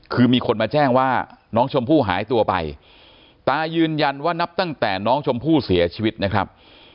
คือมีคนมาแจ้งว่าน้องชมพู่หายตัวไปตายืนยันว่านับตั้งแต่น้องชมพู่เสียชีวิตนะครับ